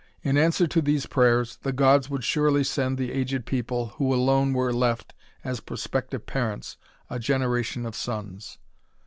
In answer to these prayers, the Gods would surely send the aged people who alone were left as prospective parents, a generation of sons.